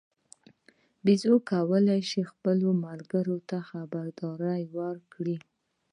بیزو کولای شي خپلو ملګرو ته خبرداری ورکړي.